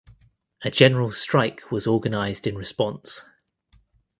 A general strike was organized in response.